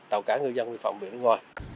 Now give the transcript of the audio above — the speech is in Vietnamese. tàu cá ngư dân biên phòng biển nước ngoài